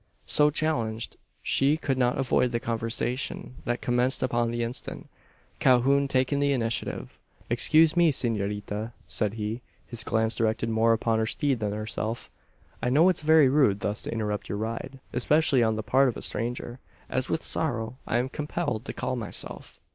So challenged, she could not avoid the conversation; that commenced upon the instant Calhoun taking the initiative. "Excuse me, senorita," said he, his glance directed more upon her steed than herself; "I know it's very rude thus to interrupt your ride; especially on the part of a stranger, as with sorrow I am compelled to call myself."